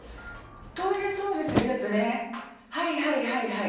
トイレ掃除するやつね、はいはいはいはい。